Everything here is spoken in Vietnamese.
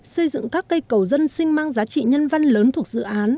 xây dựng các cây cầu dân sinh mang giá trị nhân văn lớn thuộc dự án